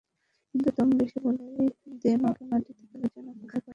কিন্তু দাম বেশি বলেই দেমাগে মাটিতে তেলের যেন ফোঁটা পড়েই না।